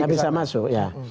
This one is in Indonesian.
gak bisa masuk ya